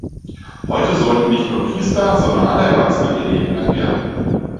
Heute sollten nicht nur Priester, sondern alle Erwachsenen ihr Leben lang lernen.